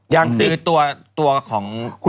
ยังคือตัวของ